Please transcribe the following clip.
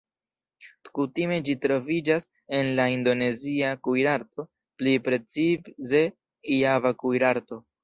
Kutime ĝi troviĝas en la Indonezia kuirarto, pli precize Java kuirarto.